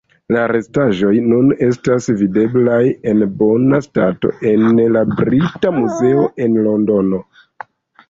La restaĵoj nun estas videblaj en bona stato en la Brita Muzeo en Londono.